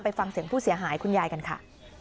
ฟังเสียงผู้เสียหายคุณยายกันค่ะ